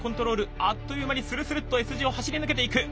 あっという間にスルスルッとＳ字を走り抜けていく。